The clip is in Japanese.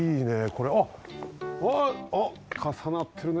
これあっかさなってるね。